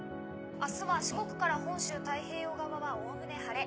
明日は四国から本州太平洋側はおおむね晴れ。